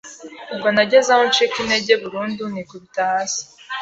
Ubwo nageze aho ncika intege burundu nikubita hasi